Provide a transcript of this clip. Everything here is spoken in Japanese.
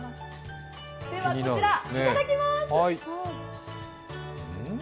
では、こちら、いただきます。